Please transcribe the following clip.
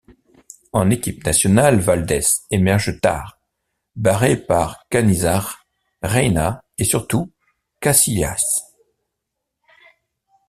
En équipe nationale, Valdés émerge tard, barré par Canizares, Reina et surtout Casillas.